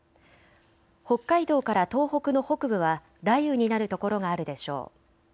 北海道から東北の北部は雷雨になる所があるでしょう。